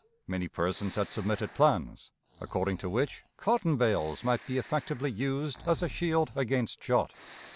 Many persons had submitted plans, according to which cotton bales might be effectively used as a shield against shot.